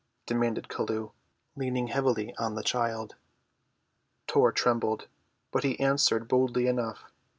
demanded Chelluh, leaning heavily on the child. Tor trembled, but he answered boldly enough.